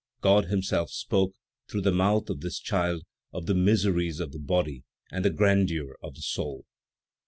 God himself spoke, through the mouth of this child, of the miseries of the body and the grandeur of the soul.